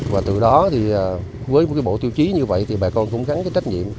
và từ đó thì với bộ tiêu chí như vậy thì bà con cũng gắn trách nhiệm